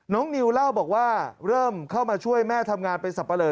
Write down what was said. นิวเล่าบอกว่าเริ่มเข้ามาช่วยแม่ทำงานเป็นสับปะเลอ